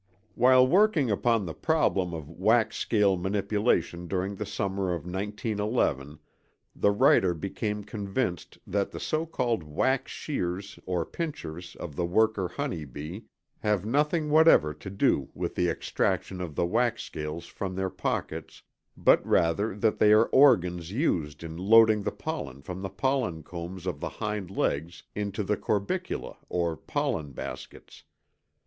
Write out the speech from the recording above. While working upon the problem of wax scale manipulation during the summer of 1911 the writer became convinced that the so called wax shears or pinchers of the worker honey bee have nothing whatever to do with the extraction of the wax scales from their pockets, but rather that they are organs used in loading the pollen from the pollen combs of the hind legs into the corbiculæ or pollen baskets (Cast eel, 1912).